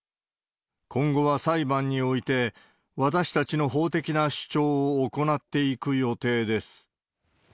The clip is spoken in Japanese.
今後は裁判において、私たちの法的な主張を行っていく予定です。